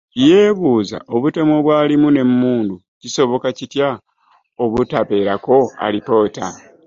Yeebuuza obutemu obwalimu n'emmundu kisoboka kitya obutabeerako alipoota.